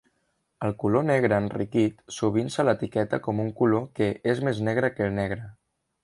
El color negre enriquit sovint se l'etiqueta com un color que és "més negre que el negre".